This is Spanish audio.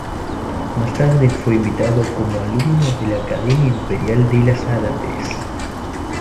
Más tarde fue invitado como alumno de la Academia Imperial de las Artes.